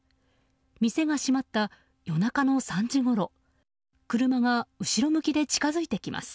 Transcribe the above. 店が閉まった夜中の３時ごろ車が後ろ向きで近づいてきます。